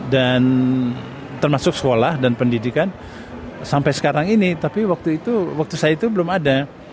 dan termasuk sekolah dan pendidikan sampai sekarang ini tapi waktu itu waktu saya itu belum ada